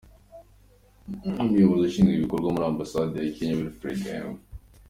Umuyobozi ushinzwe ibikorwa muri Ambasade ya Kenya, Wilfred M.